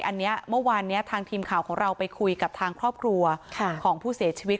อันนี้เมื่อวานนี้ทางทีมข่าวของเราไปคุยกับทางครอบครัวของผู้เสียชีวิต